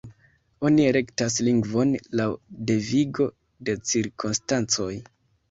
Oni elektas lingvon laŭ devigo de cirkonstancoj.